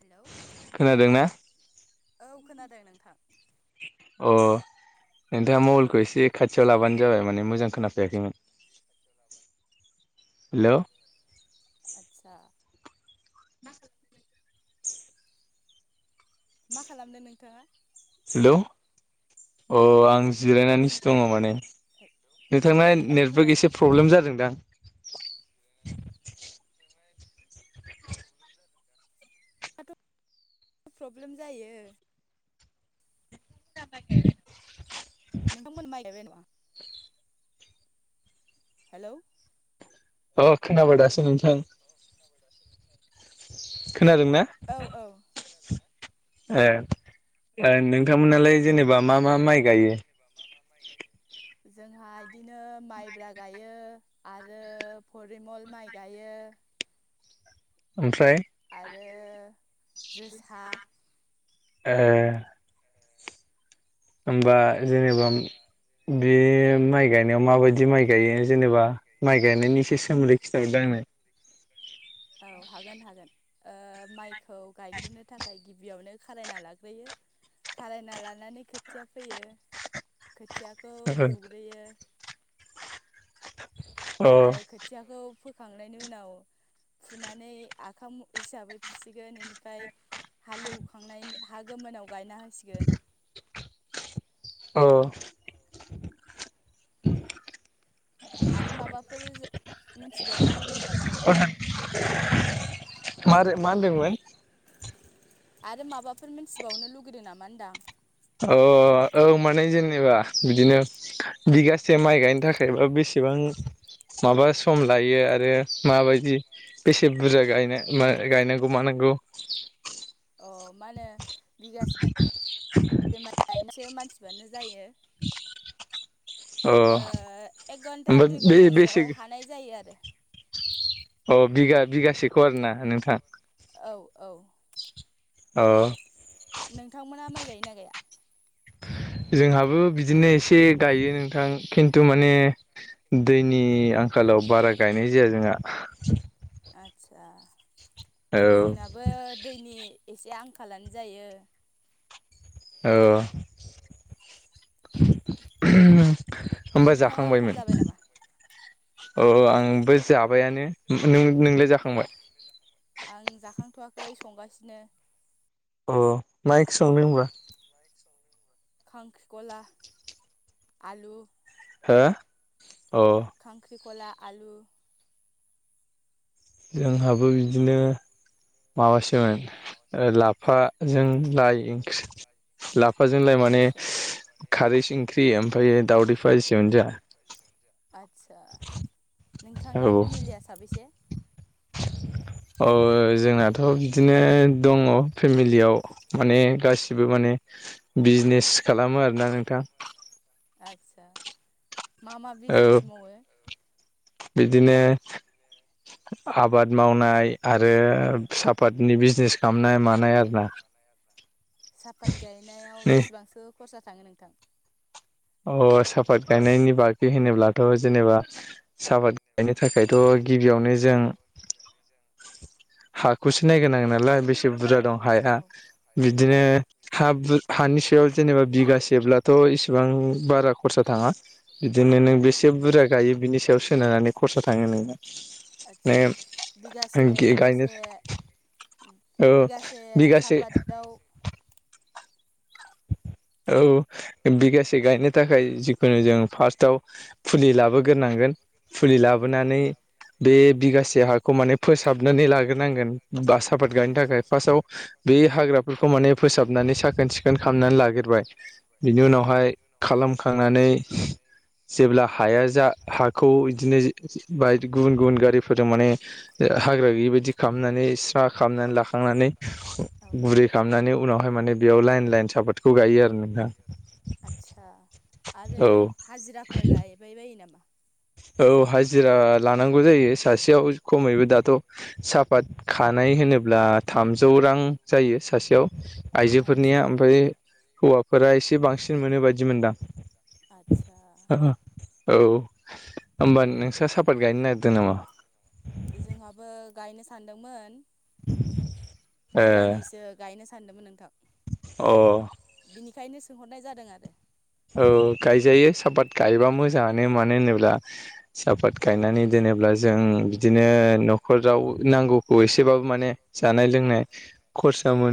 Hello खोनादों ना औ खोनादों नोंथां। अ'। नोंथाङा मबेलखौ एसे खाथियाव लाबानो जाबाय माने मोजां खोनाफैयाखैमोन हेलौ। आतसा। मा खालामदों मा खालामदों नोंथाङा। हेल' अ आं जिरायनानैसो दङ माने नोंथांना औ नेटवर्क खोनादों। एसे प्रब्लेम जादोंदां। दाथ' प्रब्लेम जायो। नोंथांमोनना माइ गायबाय नामा? हेल' अ खोनाबाय दासो नोंथां। [inaudible] खोनादों ना? औ औ ए ओ नोंथांमोनालाय जेनेबा मा-मा माइ गायो? जोंहा इदिनो माइब्रा गायो आरो फरिमल माइ गायो यो। ओमफ्राय आरो जोसा ए होमबा जेनेबा बे माइ गायनायाव माबायदि माइ गायो जेनेबा माइ गायनायनि यिसे सोमदै खिथा दो आंनो औ हागोन हागोन ओ माइखौ गायग्रोनो थाखाय गिबियावनो खारायना लाग्रोयो खारायना लानानै खोथिया फैयो। खोथियाखौ आंनो फुग्रोयो आरो खोथियाखौ फोखांनायनि उनाव फुनानै आखाम हिसाबै फुसिगोन एनिफ्राय हालेवखांनायनि हा गोमोनाव गायना होसिगोन। अ आरो माबाफोर जा मोनथिबावनो लुगैदों नामा नोंथाङा? मार मा होनदोंमोन? आरो माबाफोर मिथिबावनो लुगैदों नामा होनदां। अ औ माने जेनेबा बिदिनो बिगासे माइ गायनो थाखायबा बेसे इसेबां माबा सम लायो आरो माबायदि बेसे बुरजा गाय गायनांगौ मानांगौ गौ अ मा होनो बिगासे [unintelligible] जायो अ ओ एक घन्टा ओमफ्राय दुइ बे बेसे घन्टासोआव हानाय जायो आरो। अ बिगा बिगासेखौ आरोना नोंथां? औ औ औ नोंथांमोना माइ गायोना गाया? जोंहाबो बिदिनो एसे गायो नोंथां खिन्थु माने दैनि आंखालाव बारा गायनाय जाया जोंहा। आदसा औ जोंनाबो दैनि एसे आंखा खालानो जायो। औ होमबा नोंथाङा ओंखाम जाखांबायमोन? जाबाय नामा अ आंबो जाबायानो नों नोंलाय जाखांबाय? आं जाखांथ'वाखै संगासिनो। अ मा एंख्रि संदों होनबा? खांख्रिखला आलु हो? अ खांख्रिखला आलु जोंहाबो बिदिनो माबासोमोन लाफा जों लाइ ओंख्रि लाफाजों लाइ माने आदसा खारै ओंख्रि ओमफ्राय दावदै फाजिसोमोन जोंहा आदसा नोंथां औ फेमिलिया साबेसे? [inaudible] ओ जोंनाथ' बिदिनो दङ फेमिलियाव माने गासिबो माने बिजनेस खालामो आरोना नोंथां। आस्सा मा मा औ बिजनेस मावो? बिदिनो आबाद। मावनाय आरो सापातनि बिजनेस खालामनाय मानाय आरो ना? साफात गायनायाव बेसेबांसो खरसा थाङो नोंथां? अ साफात गायनायनि बागै होनोब्लाथ' जेनेबा सापाद गायनो थाखायथ' गिबियावनो जों हा खौसो नायगोरनांगोन। नालाय बेसे बुरजा दं हाया बिदिनो हा-हानि सायाव जेनेबा बिगा जेब्लाथ' इसिबां बारा खरसा थाङा। बिदिनो नों हाया बेसे बुरजा गायो बिनि सायाव सोनारनानै खरसा थाङो नोंथां। आचसा। बिगासे गायनो बिगासे औ बिगासे बिगासे सापातआव [inaudible] औ बिगासे गायनो थाखाय जिखुनु जों फार्स्टआव फुलि लाबोग्रोनांगोन फुलि लाबोनानै बे बिगासे हाखौ माने फोसाबनानै लाग्रोनांगोन बा साफत गायनो थाखाय फार्स्टआव बे हाग्राफोरखौ माने फोसाबनानै साखोन सिखोन सिकोन खालामनानै लाग्रोबाय बिनि औ उनावहाय खालामखांनानै जेब्ला हाया जा हाखौ बिदिनो बाय गुबुन गुबुन गारिफोर माने हाग्रा गैयि बायदि खालामनानै सां लाखांनानै औ गुरै खालामनानै उनावहाय मयाव लाइ साफातखौ गायो आरो नोंथां आदसा आरो औ हाजिराफोर लैयबाय बायो नामा? औ हाजिरा लानांगौ जायो। सासेयाव खमैबो दाथ' सापात खानाय होनोब्ला थामजौ रां जायो सासेयाव आइजोफोरनिया आदसा ओमफ्राय हौवाफोरा एसे बांसिन मोनो बायदि मोनदां आचसा औ। होमबा नोंसोर सापात गायनो नागिरदों नामा? जोंहाबो गायनो सानदोंमोन ए बिगानैसो गायनो सानदोंमोन नोंथां। अ। बेनिखायनो सोंहरनाय जादों आरो। औ गायजायो साहापाट गायोबा मोजाङानो मानो होनोब्ला साहापात गायनानै दोनोब्ला जों बिदिनो न'खराव नांगौ खौ एसेबाबो माने जानाय लोंनाय खरसा मोन